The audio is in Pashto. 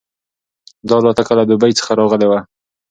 دا الوتکه له دوبۍ څخه راغلې وه.